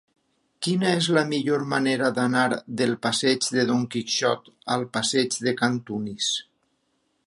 Quina és la millor manera d'anar del passeig de Don Quixot al passeig de Cantunis?